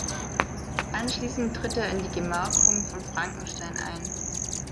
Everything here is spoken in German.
Anschließend tritt er in die Gemarkung von Frankenstein ein.